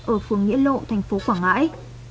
ở phường nghĩa lộ thành phố quảng ngãi